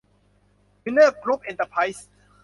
วินเนอร์กรุ๊ป เอ็นเตอร์ไพรซ์